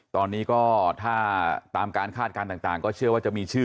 ตอนนี้ก็ถ้าตามการคาดการณ์ต่างก็เชื่อว่าจะมีชื่อ